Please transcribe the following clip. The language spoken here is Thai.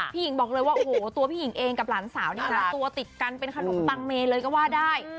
หญิงบอกเลยว่าโอ้โหตัวพี่หญิงเองกับหลานสาวเนี่ยนะตัวติดกันเป็นขนมปังเมเลยก็ว่าได้